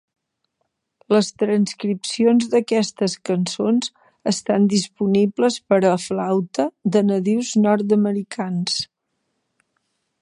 Les transcripcions d'aquestes cançons estan disponibles per a flauta de nadius nord-americans.